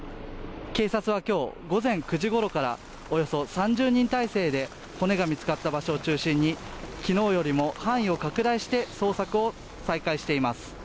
警察はきょう午前９時ごろからおよそ３０人態勢で骨が見つかった場所を中心にきのうよりも範囲を拡大して捜索を再開しています